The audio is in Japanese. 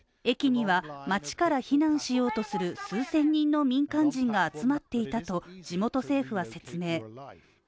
駅には町から避難しようとする数千人の民間人が集まっていたと地元政府は説明。